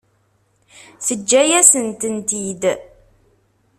Teǧǧa-yasen-tent-id.